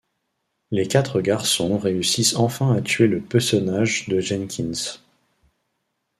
Les quatre garçons réussissent enfin à tuer le pesonnage de Jenkins.